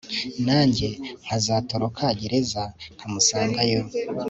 nanjye nkazatoroka gereza nkamusangayo